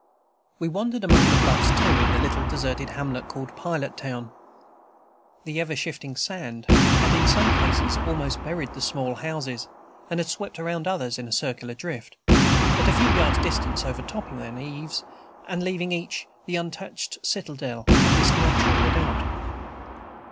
We wandered among the bluffs, too, in the little deserted hamlet called "Pilot Town." The ever shifting sand had in some cases almost buried the small houses, and had swept around others a circular drift, at a few yards' distance, overtopping then: eaves, and leaving each the untouched citadel of this natural redoubt.